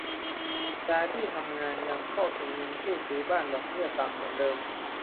ย้ายที่ทำงาน ยังเข้าถึงเงินกู้ซื้อบ้านดอกเบี้ยต่ำเหมือนเดิม